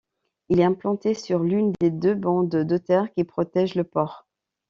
Il est implanté sur l'une des deux bandes de terre qui protègent le port.